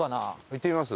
行ってみます？